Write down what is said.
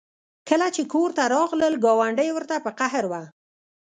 کله چې کور ته راغلل ګاونډۍ ورته په قهر وه